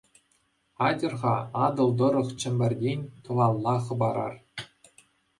Атьӑр-ха, Атӑл тӑрӑх Чӗмпӗртен тӑвалла хӑпарар.